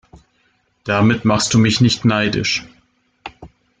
Damit machst du mich nicht neidisch.